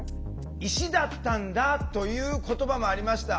「石だったんだ」という言葉もありました。